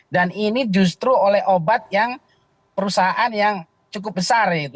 dan ini justru oleh obat yang perusahaan yang cukup besar